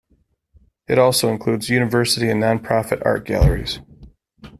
It also includes university and non-profit art galleries.